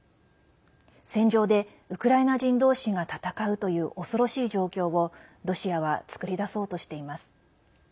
戦場でウクライナ人同士が戦うという恐ろしい状況をロシアは作り出そうとしています。